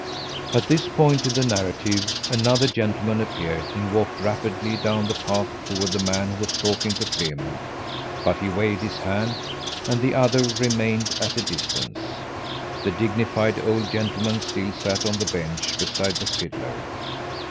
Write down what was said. At this point in the narrative another gentleman appeared and walked rapidly down the path toward the man who was talking to Clement, but he waved his hand, and the other remained at a distance. The dignified old gentleman still sat on the bench beside the fiddler.